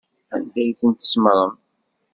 Anda ay ten-tsemmṛem?